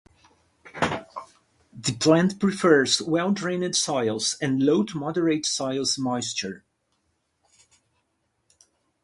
The plant prefers well-drained soils, and low to moderate soil moisture.